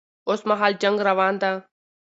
اوس مهال جنګ روان ده